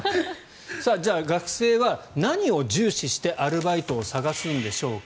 じゃあ学生は何を重視してアルバイトを探すんでしょうか。